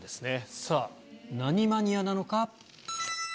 さぁ何マニアなのか。